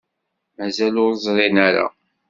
Mazal ur ẓṛin ara.